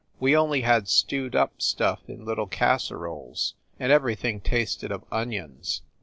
We only had stewed up stuff in little casseroles, and everything tasted of onions.